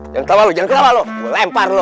jangan ketawa lo jangan ketawa lo gue lempar lo